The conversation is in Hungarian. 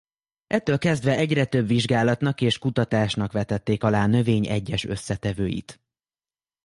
Ettől kezdve egyre több vizsgálatnak és kutatásnak vetették alá a növény egyes összetevőit.